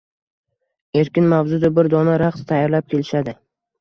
erkin mavzuda bir dona raqs tayyorlab kelishadi.